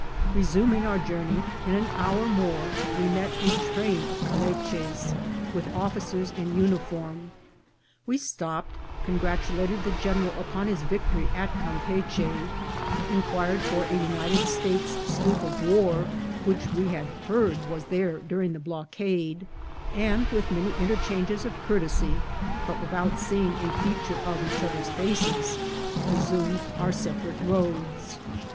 Resuming our journey, in an hour more we met a train of caliches, with officers in uniform. We stopped, congratulated the general upon his victory at Campeachy, inquired for a United States' sloop of war which we had heard was there during the block ade, and, with many interchanges of courtesy, but with out seeing a feature of each other's faces, resumed our separate roads.